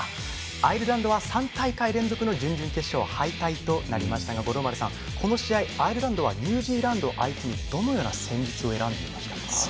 アイルランドは３大会連続の準々決勝敗退となりましたがこの試合、アイルランドはニュージーランドを相手にどのような戦法を選んだのでしょうか。